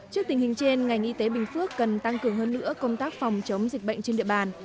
trước tình hình trên ngành y tế bình phước cần tăng cường hơn nữa công tác phòng chống dịch bệnh trên địa bàn